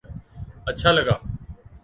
اچھا لگا